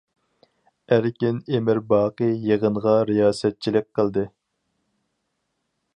ئەركىن ئىمىرباقى يىغىنغا رىياسەتچىلىك قىلدى.